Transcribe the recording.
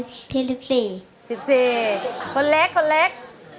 คนเล็ก